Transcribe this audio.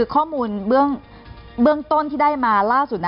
ข้อมูลเบื้องต้นที่ได้มาล่าสุด